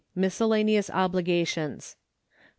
Miscellaneous Obligations. 4.